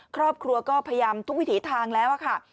ครอบครัวก็พยายามทุกวิถีทางแล้วค่ะ